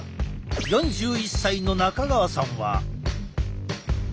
４１歳の中川さんは。